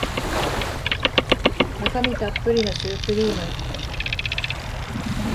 中身たっぷりのシュークリーム